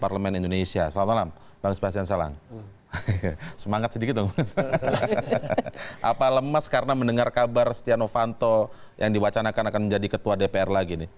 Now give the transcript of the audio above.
apa lemes karena mendengar kabar setia novanto yang diwacanakan akan menjadi ketua dpr lagi nih